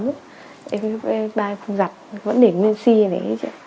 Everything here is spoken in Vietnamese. em thuê không giặt vẫn để nguyên si này